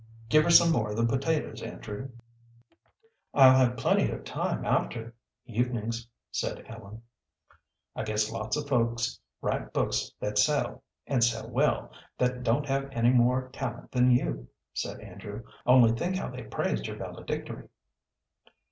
"Give her some more of the potatoes, Andrew." "I'll have plenty of time after evenings," said Ellen. "I guess lots of folks write books that sell, and sell well, that don't have any more talent than you," said Andrew. "Only think how they praised your valedictory."